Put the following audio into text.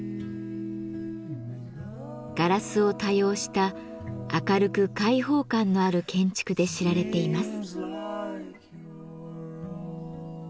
ガラスを多用した明るく開放感のある建築で知られています。